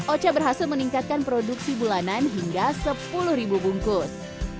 ocha berhasil meningkatkan produksi bulanan hingga sepuluh ribu bungkus